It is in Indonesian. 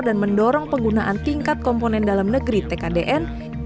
dan mendorong penggunaan tingkat komponen dalam negeri tkdn